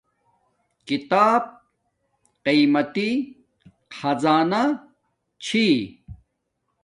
کتاب قیمتی خزانہ چھی